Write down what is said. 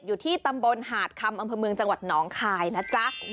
อยู่ที่ตำบลหาดคำอำเภอเมืองจังหวัดหนองคายนะจ๊ะ